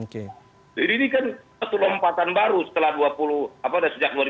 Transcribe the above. jadi ini kan satu lompatan baru setelah dua puluh apa ada sejak dua ribu dua puluh empat nih